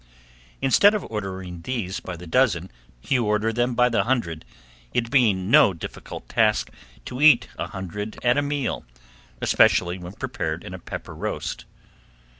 Instead of ordering these by the dozen you order them by the hundred, it being no difficult task to eat an hundred at a meal, especially when prepared in a pepper roast.